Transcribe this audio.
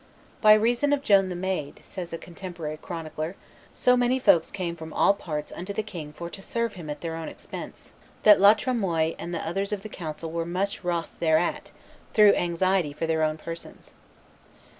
"By reason of Joan the Maid," says a contemporary chronicler, "so many folks came from all parts unto the king for to serve him at their own expense, that La Tremoille and others of the council were much wroth thereat, through anxiety for their own persons."